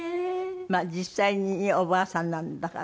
まあ実際におばあさんなんだから。